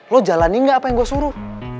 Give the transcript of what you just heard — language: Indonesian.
lo jalani gak apa yang gua suruh